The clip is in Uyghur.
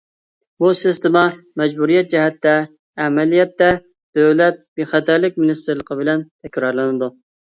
بۇ سىستېما مەجبۇرىيەت جەھەتتە، ئەمەلىيەتتە دۆلەت بىخەتەرلىك مىنىستىرلىقى بىلەن تەكرارلىنىدۇ.